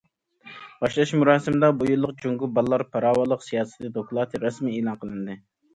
باشلاش مۇراسىمىدا، بۇ يىللىق« جۇڭگو بالىلار پاراۋانلىق سىياسىتى دوكلاتى» رەسمىي ئېلان قىلىندى.